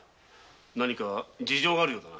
何か事情があるようだな？